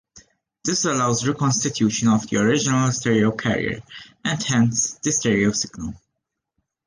This allows reconstitution of the original stereo carrier, and hence the stereo signal.